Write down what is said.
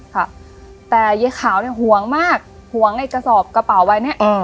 ค่ะแต่ยายขาวเนี่ยห่วงมากห่วงไอ้กระสอบกระเป๋าใบเนี้ย